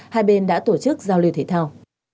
hai bên đã tổ chức giao lưu thể thao